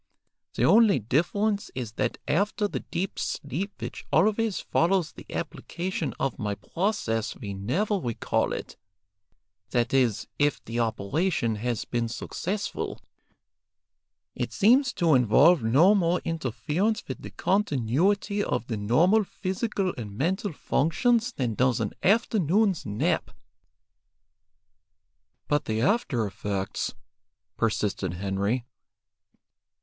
The only difference is that after the deep sleep which always follows the application of my process we never recall it, that is, if the operation has been successful. It seems to involve no more interference with the continuity of the normal physical and mental functions than does an afternoon's nap." "But the after effects!" persisted Henry.